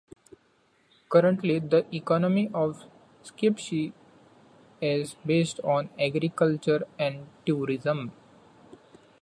Currently, the economy of Skipsea is based on agriculture and tourism.